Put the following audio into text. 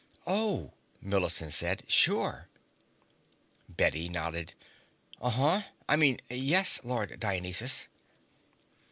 "Oh," Millicent said. "Sure." Bette nodded. "Uh huh. I mean, yes, Lord Dionysus."